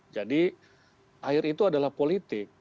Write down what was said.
jadi air itu adalah politik